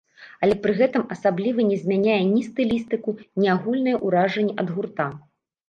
Але пры гэтым асабліва не змяняе ні стылістыку, ні агульнае ўражанне ад гурта.